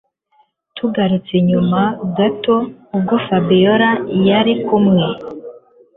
Tugarutse inyuma gato ubwo Fabiora yarari kumwe